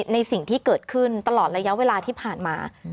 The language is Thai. ในสิ่งที่เกิดขึ้นตลอดระยะเวลาที่ผ่านมา